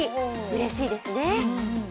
うれしいですね。